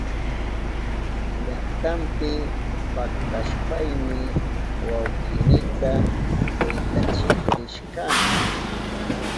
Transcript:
Llaktanpi paktashpayni wawkiynita kwintachik rishkani.